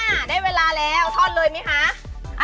ได้เวลาแล้วทอดเลยไหมคะ